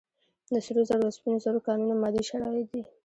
د سرو زرو او سپینو زرو کانونه مادي شرایط دي.